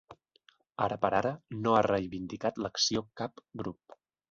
Ara per ara, no ha reivindicat l’acció cap grup.